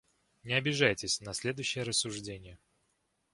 Не обижайтесь на следующее рассуждение.